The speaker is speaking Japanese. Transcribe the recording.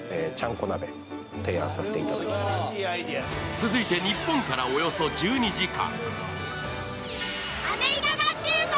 続いて日本からおよそ１２時間。